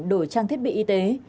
đổi trang thiết bị y tế